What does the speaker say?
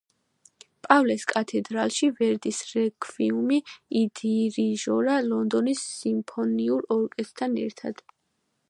პავლეს კათედრალში ვერდის რექვიემი იდირიჟორა, ლონდონის სიმფონიურ ორკესტრთან ერთად.